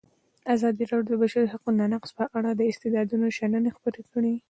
ازادي راډیو د د بشري حقونو نقض په اړه د استادانو شننې خپرې کړي.